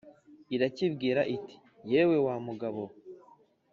irakibwira iti: “yewe wa mugabo we,